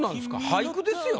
俳句ですよ。